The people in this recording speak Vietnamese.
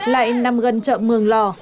lại nằm gần chợ mường lò